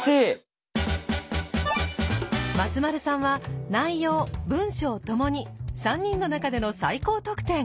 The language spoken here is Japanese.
松丸さんは内容文章ともに３人の中での最高得点。